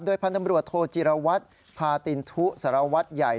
พันธุ์ตำรวจโทจิรวัตรพาตินทุสารวัตรใหญ่